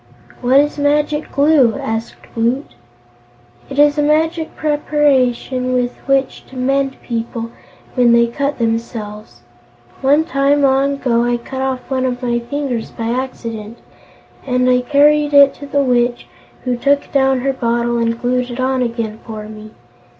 "What is Magic Glue?" asked Woot. "It is a magic preparation with which to mend people when they cut themselves. One time, long ago, I cut off one of my fingers by accident, and I carried it to the Witch, who took down her bottle and glued it on again for me.